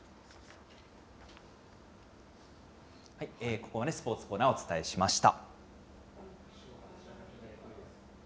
ここまでスポーツコーナー、お伝えしました。